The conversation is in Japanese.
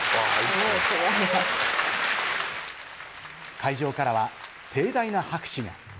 会場からは盛大な拍手が。